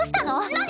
何？